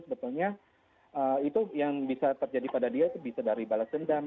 sebetulnya itu yang bisa terjadi pada dia bisa dari balas dendam